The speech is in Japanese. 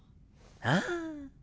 ああ。